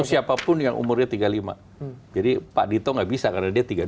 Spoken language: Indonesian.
siapapun yang umurnya tiga puluh lima jadi pak dito nggak bisa karena dia tiga dua